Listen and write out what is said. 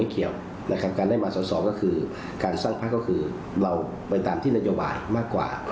เขียวนะครับการได้มาสอสอก็คือการสร้างพักก็คือเราไปตามที่นโยบายมากกว่า